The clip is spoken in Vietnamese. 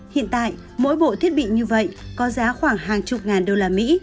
hiện tại mỗi bộ thiết bị như vậy có giá khoảng hàng chục ngàn đô la mỹ